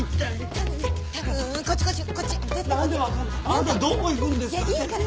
あなたどこ行くんですか？